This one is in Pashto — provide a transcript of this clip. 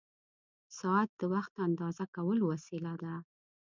ساعت د وخت اندازه کولو وسیله ده.